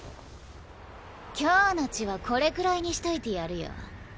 今日の血はこれくらいにしといてやるよ。